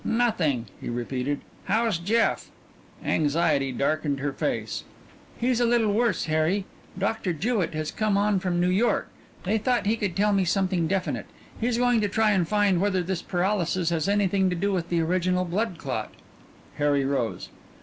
"Nothing," he repeated. "How's Jeff?" Anxiety darkened her face. "He's a little worse, Harry. Doctor Jewett has come on from New York. They thought he could tell me something definite. He's going to try and find whether this paralysis has anything to do with the original blood clot." Harry rose.